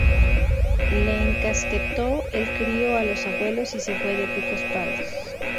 Le encasquetó el crío a los abuelos y se fue de picos pardos